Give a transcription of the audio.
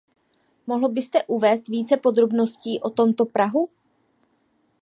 Mohl byste uvést více podrobností o tomto prahu?